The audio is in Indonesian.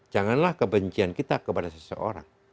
janganlah kebencian kita kepada seseorang